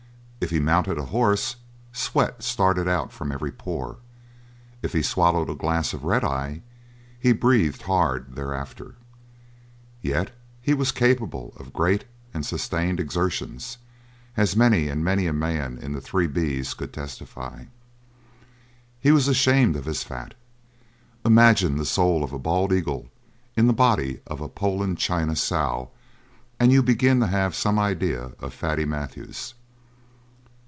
If he mounted a horse, sweat started out from every pore; if he swallowed a glass of red eye he breathed hard thereafter. Yet he was capable of great and sustained exertions, as many and many a man in the Three B's could testify. He was ashamed of his fat. Imagine the soul of a Bald Eagle in the body of a Poland China sow and you begin to have some idea of Fatty Matthews.